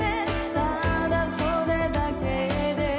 「ただそれだけで」